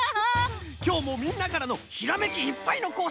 きょうもみんなからのひらめきいっぱいのこうさく